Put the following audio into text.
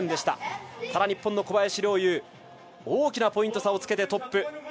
ただ日本の小林陵侑大きなポイント差をつけてトップ。